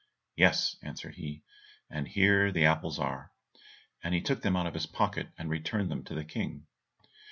"Yes," answered he, "and here the apples are," and he took them out of his pocket, and returned them to the King.